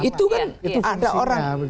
itu kan ada orang